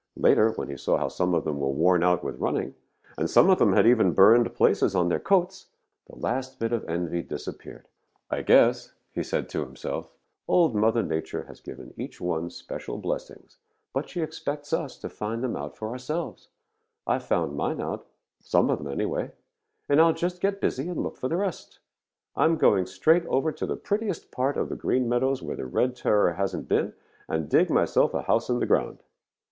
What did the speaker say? Later, when he saw how some of them were worn out with running, and some of them even had burned places on their coats, the last bit of envy disappeared. "'I guess,' said he to himself, 'Old Mother Nature has given each one special blessings, but she expects us to find them out for ourselves. I've found mine out, some of them, anyway, and I'll just get busy and look for the rest. I'm going straight over to the prettiest part of the Green Meadows where the Red Terror hasn't been and dig myself a house in the ground.